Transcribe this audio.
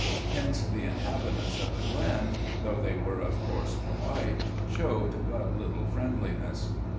Hence the inhabitants of the glen, though they were of course polite, showed but little friendliness.